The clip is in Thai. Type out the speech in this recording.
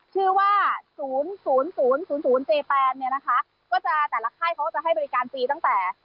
ชื่อว่าศูนย์ศูนย์ศูนย์ศูนย์ศูนย์เจแปนเนี้ยนะคะก็จะแต่ละไข้เขาก็จะให้บริการฟรีตั้งแต่